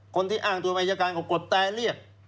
คนที่อ้างตัวปฏิชกรก่อนก็กดแต่เรียบ